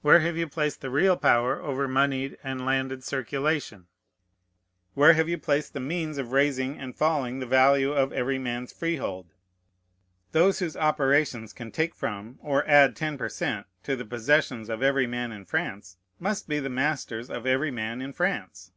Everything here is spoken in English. Where have you placed the real power over moneyed and landed circulation? Where have you placed the means of raising and falling the value of every man's freehold? Those whose operations can take from or add ten per cent to the possessions of every man in France must be the masters of every man in France.